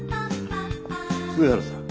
上原さん。